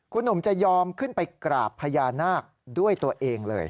คุณหนุ่มจะยอมขึ้นไปกราบพญานาคด้วยตัวเองเลย